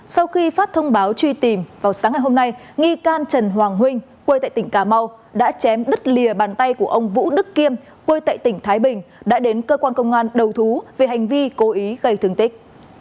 sau khi phát thông báo truy tìm vào sáng ngày hôm nay nghi can trần hoàng huynh quê tại tỉnh cà mau đã chém đứt lìa bàn tay của ông vũ đức kiêm quê tại tỉnh thái bình đã đến cơ quan công an đầu thú về hành vi cố ý gây thương tích